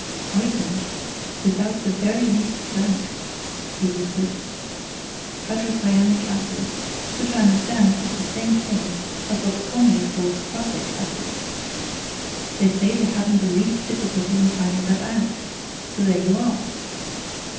"Poisoned! without the very least doubt," he whispered. "Hydrocyanic acid which, I understand, is the same thing as what's commonly called prussic acid. They say then hadn't the least difficulty in finding that out! so there you are."